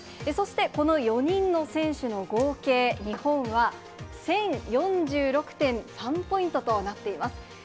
そしてこの４人の選手の合計、日本は１０４６．３ポイントとなっています。